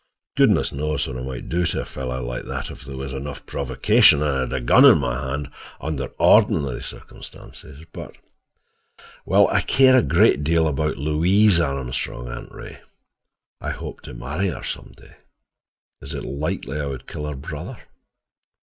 Goodness knows what I might do to a fellow like that, if there was enough provocation, and I had a gun in my hand—under ordinary circumstances. But—I care a great deal about Louise Armstrong, Aunt Ray. I hope to marry her some day. Is it likely I would kill her brother?"